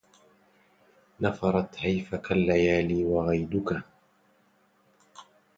نفرت هيفك الليالي وغيدك